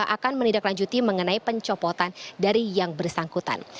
akan menindaklanjuti mengenai pencopotan dari yang bersangkutan